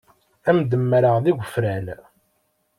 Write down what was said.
Ad am-d-mmareɣ d igefran.